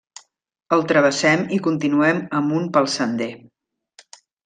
El travessem i continuem amunt pel sender.